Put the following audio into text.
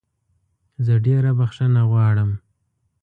زه ډېره بخښنه غواړم.